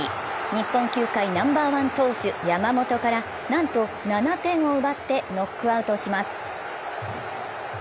日本球界ナンバーワン投手・山本からなんと７点を奪ってノックアウトします。